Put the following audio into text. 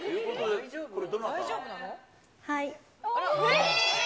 はい。